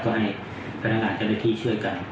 ก็ให้พนักงานเจ้าหน้าที่ช่วยกัน